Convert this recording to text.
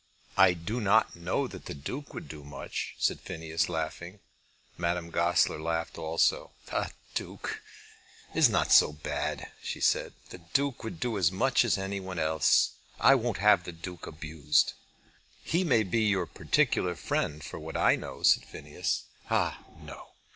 "I do not know that the Duke would do much," said Phineas laughing. Madame Goesler laughed also. "The Duke is not so bad," she said. "The Duke would do as much as any one else. I won't have the Duke abused." "He may be your particular friend, for what I know," said Phineas. "Ah; no.